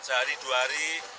sehari dua hari